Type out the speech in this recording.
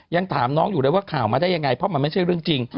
ยังถามน้องอยู่เลยว่าข่าวมาได้ยังไงเพราะมันไม่ใช่เรื่องจริง